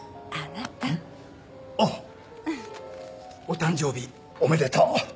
お誕生日おめでとう。